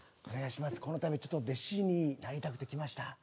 このたび弟子になりたくて来ました。